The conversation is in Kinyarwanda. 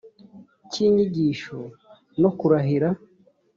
cy inyigisho no kurahira